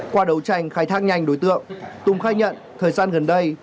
qua đấu tranh khai thác nhanh đối tượng tùng khai nhận thời gian gần đây